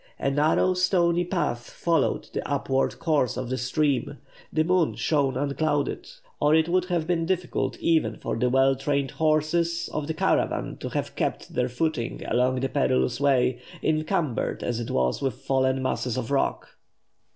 A narrow stony path followed the upward course of the stream. The moon shone unclouded, or it would have been difficult even for the well trained horses of the caravan to have kept their footing along the perilous way, encumbered as it was with fallen masses of rock.